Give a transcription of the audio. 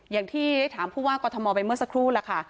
อย่างที่ได้ถามผู้ว่ากรทมไปเมื่อสักครู่ล่ะค่ะ